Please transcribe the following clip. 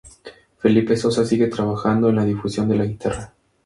Felipe Sosa sigue trabajando en la difusión de la guitarra.